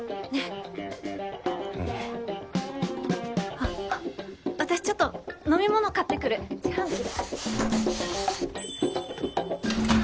あっ私ちょっと飲み物買ってくる自販機。